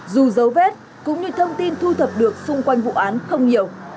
dù giấu vết cũng như thông tin thu thập được xung quanh vụ án không hiểu